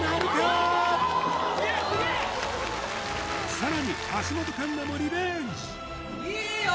さらに橋本環奈もリベンジいいよ！